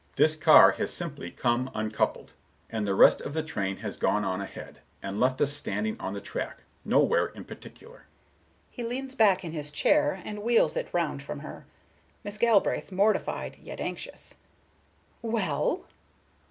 This car has simply come uncoupled, and the rest of the train has gone on ahead, and left us standing on the track, nowhere in particular." He leans back in his chair, and wheels it round from her. Miss Galbraith, mortified, yet anxious: "Well?"